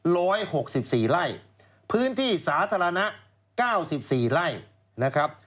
หกสิบสี่ไร่พื้นที่สาธารณะเก้าสิบสี่ไร่นะครับ